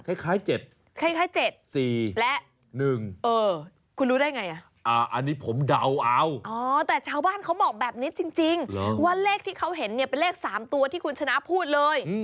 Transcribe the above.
คล้าย๗คล้าย๗๔และ๑คุณรู้ได้ไงอันนี้ผมเดาเอาแต่ชาวบ้านเขาบอกแบบนี้จริงว่าเลขที่เขาเห็นเนี่ยเป็นเลข๓ตัวที่คุณชนะพูดเลย